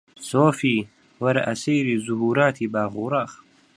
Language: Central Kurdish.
سۆفی! وەرە ئەسەیری زوهووراتی باغ و ڕاغ